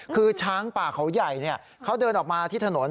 คือช้างป่าเขาใหญ่เขาเดินออกมาที่ถนน